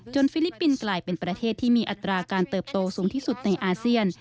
ฟิลิปปินส์กลายเป็นประเทศที่มีอัตราการเติบโตสูงที่สุดในอาเซียน